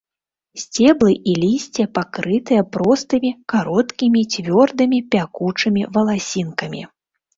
Сцеблы і лісце пакрытае простымі, кароткімі, цвёрдымі пякучымі валасінкамі.